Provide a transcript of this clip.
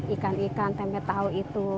ikan ikan tempe tahu itu